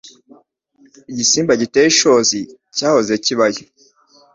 Igisimba giteye ishozi cyahoze kibayo.